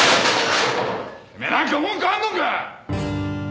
てめえ何か文句あんのか！